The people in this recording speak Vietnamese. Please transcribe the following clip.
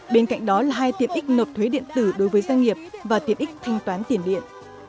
bên cạnh đó là hai tiện ích nộp thuế điện tử đối với doanh nghiệp và tiện ích thanh toán tiền điện